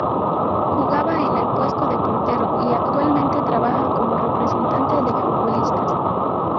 Jugaba en el puesto de portero y actualmente trabaja como representante de futbolistas.